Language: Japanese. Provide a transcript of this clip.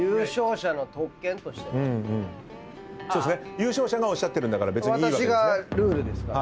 優勝者がおっしゃってるんだから別にいいわけですね。